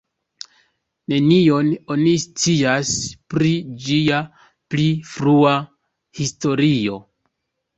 Nenion oni scias pri ĝia pli frua historio.